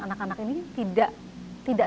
anak anak ini tidak